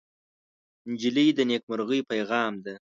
نجلۍ د نیکمرغۍ پېغام ده.